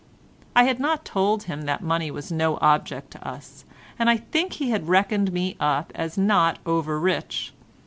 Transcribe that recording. I had not told him that money was no object to us and I think he had reckoned me up as not over rich.